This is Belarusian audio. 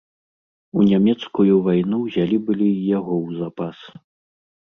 У нямецкую вайну ўзялі былі й яго ў запас.